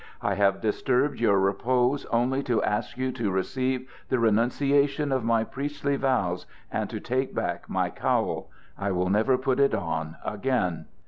I have disturbed your repose only to ask you to receive the renunciation of my priestly vows and to take back my cowl: I will never put it on again."